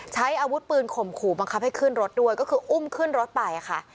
ใช้อาวุธปืนข่มขู่บังคับให้ขึ้นรถด้วยก็คืออุ้มขึ้นรถไปค่ะ